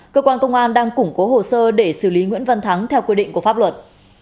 cơ quan công an đang củng cố hồ sơ để xử lý nguyễn văn thắng theo quy định của pháp luật